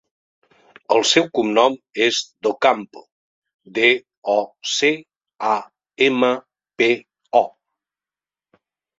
El seu cognom és Docampo: de, o, ce, a, ema, pe, o.